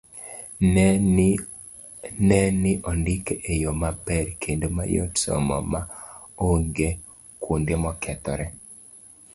Ne ni ondike e yo maber kendo mayot somo ma onge kuonde mokethore